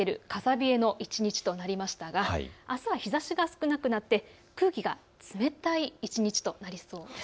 冷えの一日となりましたがあすは日ざしが少なくなって空気が冷たい一日となりそうです。